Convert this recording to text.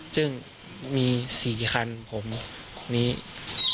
ซึ่งมีสี่คันผมมีครับ